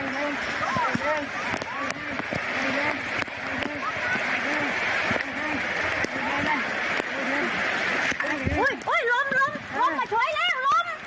อุ๊ยอุ๊ยล้มล้มล้มมาช่วยเร็วล้ม